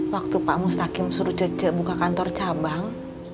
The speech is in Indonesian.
waktu pak mustaqim suruh cece buka kantor cabang